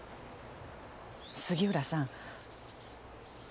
杉浦さん。